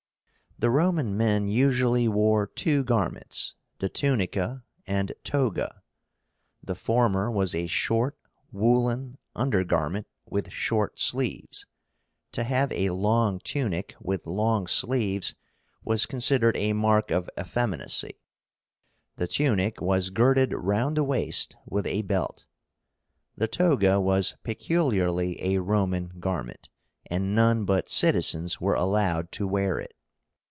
The Roman men usually wore two garments, the TUNICA and TOGA. The former was a short woollen under garment with short sleeves. To have a long tunic with long sleeves was considered a mark of effeminacy. The tunic was girded round the waist with a belt. The toga was peculiarly a Roman garment, and none but citizens were allowed to wear it.